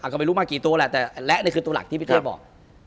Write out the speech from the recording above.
ก็ไม่รู้มากี่ตัวแหละแต่และนี่คือตัวหลักที่พี่เทพบอก